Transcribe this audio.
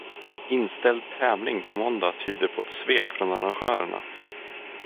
Inställd tävling på måndag tyder på ett svek från arrangörerna.